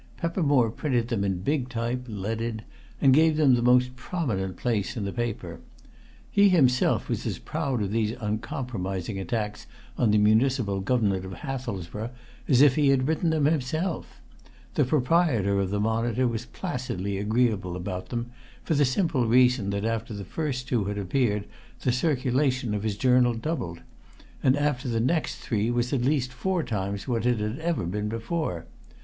Peppermore printed them in big type, leaded, and gave them the most prominent place in the paper. He himself was as proud of these uncompromising attacks on the municipal government of Hathelsborough as if he had written them himself; the proprietor of the Monitor was placidly agreeable about them, for the simple reason that after the first two had appeared the circulation of his journal doubled, and after the next three was at least four times what it had ever been before.